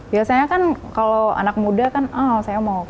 biasanya kan kalau anak muda kan ah saya mau ke